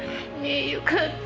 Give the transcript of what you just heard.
よかった。